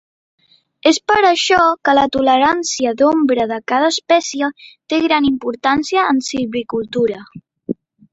És per això que la tolerància d’ombra de cada espècie té gran importància en silvicultura.